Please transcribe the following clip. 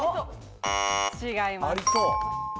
違います。